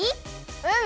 うん！